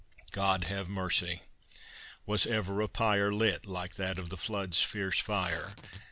God have mercy! was ever a pyre Lit like that of the flood's fierce fire!